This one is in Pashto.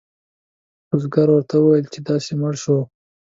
بزګر ورته وویل چې داسې مړ شو.